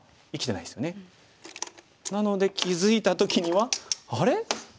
なので気付いた時にはあれ？